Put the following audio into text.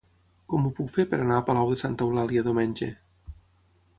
Com ho puc fer per anar a Palau de Santa Eulàlia diumenge?